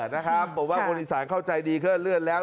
มึงออกปะว่ามนต์อินสารเข้าใจดีขึ้นเลื่อนแล้ว